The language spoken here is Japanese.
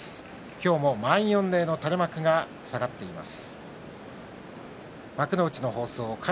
今日も満員御礼の垂れ幕が下がっています。